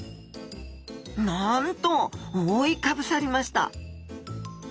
なんと覆いかぶさりました！